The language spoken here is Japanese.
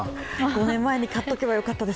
５年前に買っておけばよかったです。